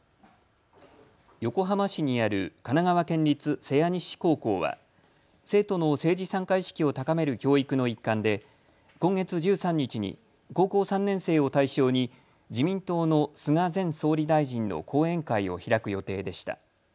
横浜市にある神奈川県立瀬谷西高校は生徒の政治参加意識を高める教育の一環で今月１３日に高校３年生を対象に自民党の菅前総理大臣の講演会を開く予定でした。